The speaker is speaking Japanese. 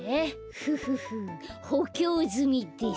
フフフほきょうずみです。